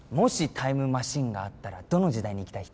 タイムマシンがあったらどの時代に行きたい人？